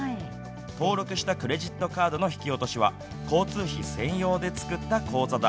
登録したクレジットカードの引き落としは交通費専用で作った口座だ。